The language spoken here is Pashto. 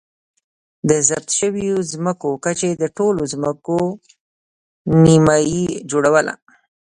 د ضبط شویو ځمکو کچې د ټولو ځمکو نییمه جوړوله